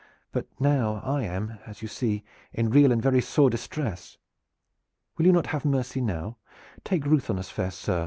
But now I am, as you see, in real and very sore distress. Will you not have mercy now? Take ruth on us, fair sir!